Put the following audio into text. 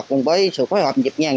cùng với sự phối hợp dịp nhàng